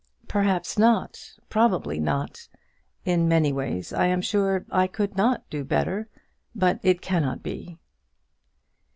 "Perhaps not; probably not. In many ways I am sure I could not do better. But it cannot be."